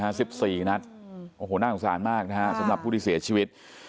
หนึ่งนี้ฮะใส่อย่างเดียวเลยฮะสิบสี่นะโอ้โหน่าสงสารมากนะฮะสำหรับผู้ที่เสียชีวิต